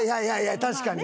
確かにね。